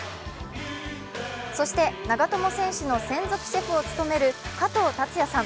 そして、長友選手の専属シェフを務める加藤超也さん。